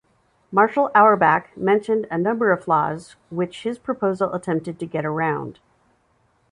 Marshall Auerback mentioned a number of flaws which his proposal attempted to get around.